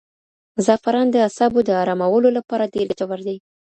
زعفران د اعصابو د ارامولو لپاره ډېر ګټور دی.